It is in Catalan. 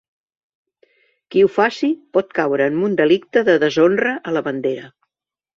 Qui ho faci pot caure en un delicte de deshonra a la bandera.